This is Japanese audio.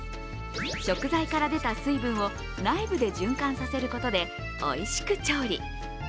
食材から出た水分を内部で循環させることでおいしく調理。